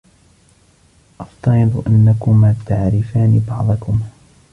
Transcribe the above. أفترض أنكما تعرفان بعضكما.